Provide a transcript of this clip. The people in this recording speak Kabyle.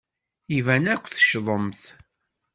Iban akk teccḍemt.